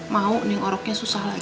mau ning oroknya susah lagi